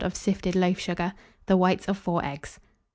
of sifted loaf sugar, the whites of 4 eggs.